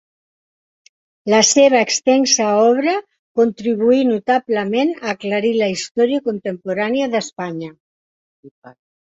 La seva extensa obra contribuí notablement a aclarir la història contemporània d'Espanya.